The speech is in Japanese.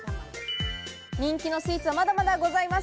人気のスイーツはまだまだございます。